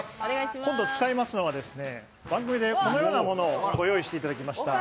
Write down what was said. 今度使いますのは番組でこのようなものをご用意していただきました。